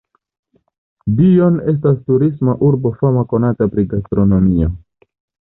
Dijon estas turisma urbo fama konata pri gastronomio.